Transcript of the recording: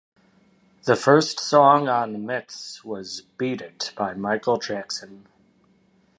The first song on "Mix" was "Beat It" by Michael Jackson.